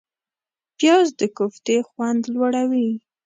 پیاز د کوفتې خوند لوړوي